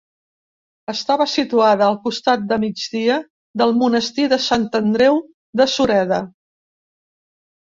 Estava situada al costat de migdia del monestir de Sant Andreu de Sureda.